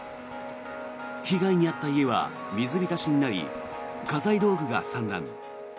被害に遭った家は水浸しになり家財道具が散乱。